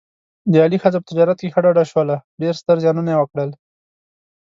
د علي ښځه په تجارت کې ښه ډډه شوله، ډېر ستر زیانونه یې وکړل.